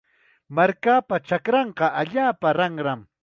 Markapa chakranqa allaapa ranram.